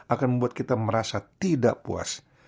akan membuat kita merasa tidak puas